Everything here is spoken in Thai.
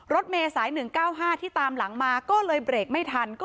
รถเมย์สาย๑๙๕ที่ตามหลังมาก็เลยเบรกไม่ทัน